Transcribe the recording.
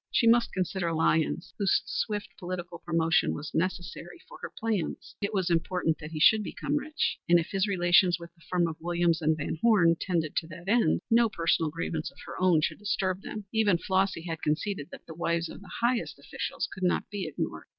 She must consider Lyons, whose swift political promotion was necessary for her plans. It was important that he should become rich, and if his relations with the firm of Williams & Van Horne tended to that end, no personal grievance of her own should disturb them. Even Flossy had conceded that the wives of the highest officials could not be ignored.